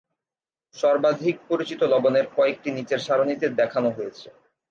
সর্বাধিক পরিচিত লবণের কয়েকটি নিচের সারণীতে দেখানো হয়েছে।